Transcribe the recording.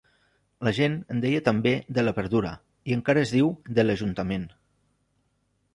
La gent en deia també de la Verdura i encara es diu de l'Ajuntament.